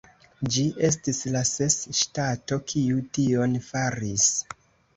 Ĝi estis la ses ŝtato kiu tion faris.